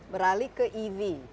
beralih ke ev